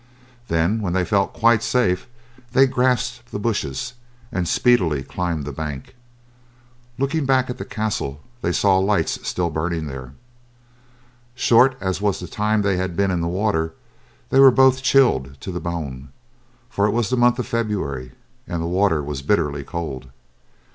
Then when they felt quite safe they grasped the bushes, and speedily climbed the bank. Looking back at the castle they saw lights still burning there. Short as was the time they had been in the water they were both chilled to the bone, for it was the month of February, and the water was bitterly cold.